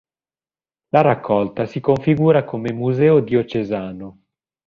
La raccolta si configura come Museo diocesano.